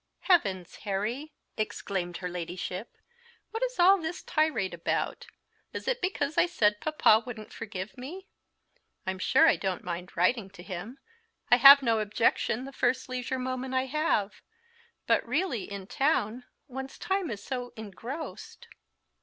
"Heavens, Harry!" exclaimed her Ladyship, "what is all this tirade about? Is it because I said papa wouldn't forgive me? I'm sure I don't mind writing to him; I have no objection, the first leisure moment I have; but really, in town, one's time is so engrossed."